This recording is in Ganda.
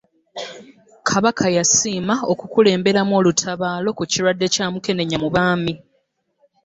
Kabaka yasiima okukulemberamu olutabaalo ku kirwadde Kya Mukenenya mu baami